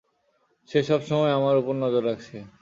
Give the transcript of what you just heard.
সে সবসময় আমার উপর নজর রাখছে।